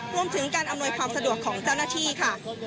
รวมถึงการอำนวยความสะดวกของเจ้าหน้าที่ค่ะ